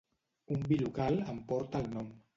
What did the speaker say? Un vi local en porta el nom.